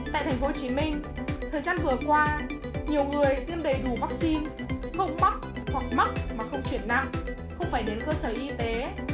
tại tp hcm thời gian vừa qua nhiều người tiêm đầy đủ vắc xin không mắc hoặc mắc mà không triển nặng không phải đến cơ sở y tế